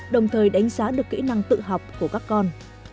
đồng thời đánh giá được kỹ năng tự học của các con